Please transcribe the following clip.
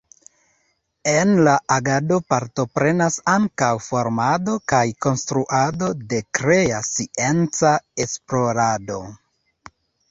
En la agado partoprenas ankaŭ formado kaj konstruado de krea scienca esplorado.